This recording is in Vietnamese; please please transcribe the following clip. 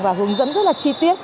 và hướng dẫn rất là chi tiết